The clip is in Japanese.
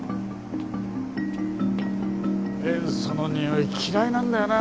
塩素のにおい嫌いなんだよな